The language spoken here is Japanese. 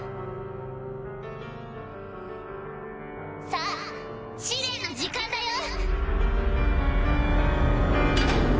・さぁ試練の時間だよ！